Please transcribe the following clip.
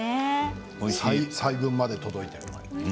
細分まで届いている。